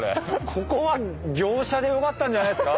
ここは業者でよかったんじゃないですか？